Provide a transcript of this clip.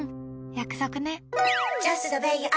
約束ね。